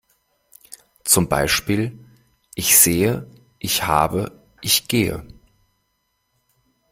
Zum Beispiel: Ich sehe, ich habe, ich gehe.